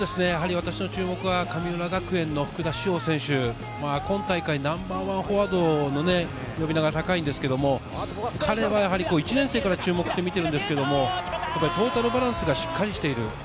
私の注目は神村学園の福田師王選手、今大会ナンバーワンフォワードの呼び名が高いんですけれども、彼は１年生から注目して見てるんですけれども、トータルバランスがしっかりしている。